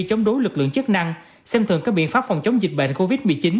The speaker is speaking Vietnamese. chống đối lực lượng chức năng xem thường các biện pháp phòng chống dịch bệnh covid một mươi chín